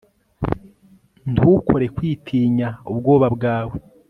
ntukore witinya ubwoba bwawe